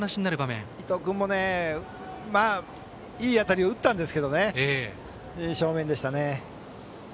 飯田君もいい当たりを打ったんですけど正面でしたね。